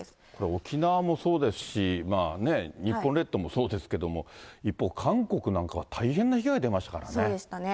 沖縄もそうですし、日本列島もそうですけれども、一方、韓国なんかは大変な被害出ましたからね。